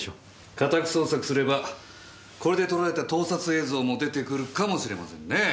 家宅捜索すればこれで撮られた盗撮映像も出てくるかもしれませんねえ？